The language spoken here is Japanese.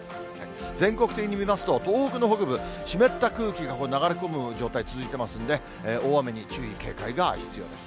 全国的に見ますと、東北の北部、湿った空気が流れ込む状態続いてますので、大雨に注意、警戒が必要です。